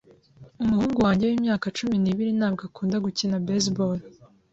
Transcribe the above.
Umuhungu wanjye wimyaka cumi n'ibiri ntabwo akunda gukina baseball.